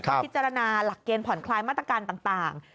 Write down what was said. พิจารณาหลักเกณฑ์ผ่อนคลายมาตรการต่าง